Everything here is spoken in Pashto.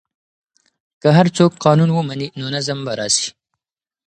که هر څوک قانون ومني نو نظم به راسي.